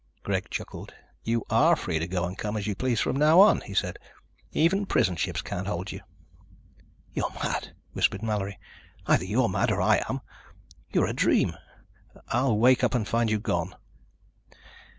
Greg chuckled. "You are free to go and come as you please from now on," he said. "Even prison ships can't hold you." "You're mad," whispered Mallory. "Either you're mad or I am. You're a dream. I'll wake up and find you gone."